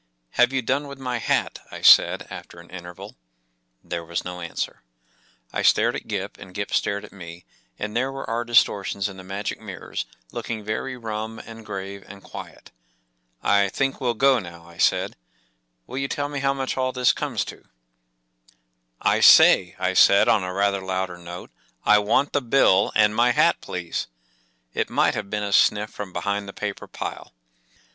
“Have you done with my hat?” I said, after an interval There was no answer. ! stared at Gip, and Gip stared at me, and there were our distortions in the magic mirrors, looking very rum, and grave, and quiet. *.. 44 1 think welt go now/’ I said. “Will you tell me how much all this comes to? .,*£* I say,” I said, on a rather louder note, 41 1 want the bill ; and my hat, please,” It might have been a sniff from behind the paper pile.